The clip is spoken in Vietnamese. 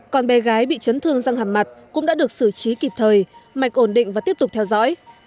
còn bé gái bị chấn thương răng hàm mặt cũng đã được xử trí kịp thời mạch ổn định và tiếp tục theo dõi